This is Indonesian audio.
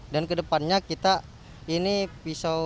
dan ke depannya kita ini pisau